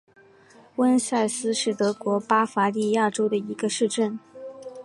翁塞斯是德国巴伐利亚州的一个市镇。